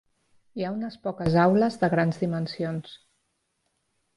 Hi ha unes poques aules de grans dimensions.